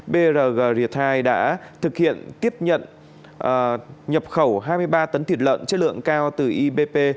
brg retai đã thực hiện tiếp nhận nhập khẩu hai mươi ba tấn thịt lợn chất lượng cao từ ipp